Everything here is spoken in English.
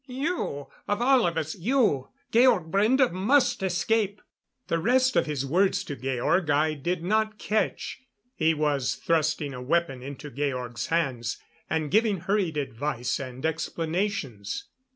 You, of all of us you Georg Brende, must escape." The rest of his words to Georg I did not catch. He was thrusting a weapon into Georg's hands; and giving hurried advice and explanations.